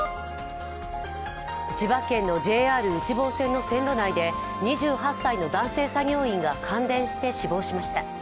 千葉県のＪＲ内房線の線路内で２８歳の男性作業員が感電して死亡しました。